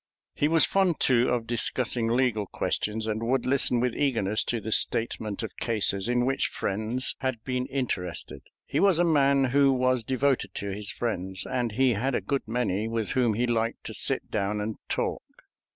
He was fond, too, of discussing legal questions, and would listen with eagerness to the statement of cases in which friends had been interested. He was a man who was devoted to his friends, and he had a good many with whom he liked to sit down and talk.